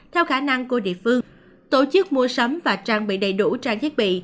theo khả năng của địa phương tổ chức mua sắm và trang bị đầy đủ trang thiết bị